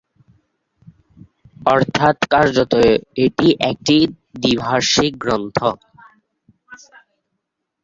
অর্থ্যাৎ কার্যত এটি একটি দ্বিভাষিক গ্রন্থ।